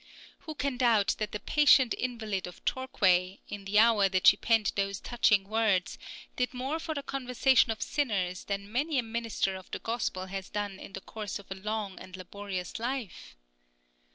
Who can doubt that the patient invalid of Torquay, in the hour that she penned those touching words, did more for the conversion of sinners than many a minister of the gospel has done in the course of a long and laborious life?